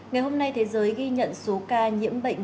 ngày hôm nay thế giới ghi nhận số ca nhiễm bệnh